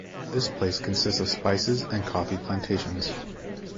This place consists of spices and coffee plantations.